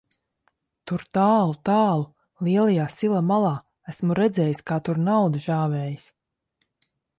Tur tālu, tālu lielajā sila malā, esmu redzējis, kā tur nauda žāvējas.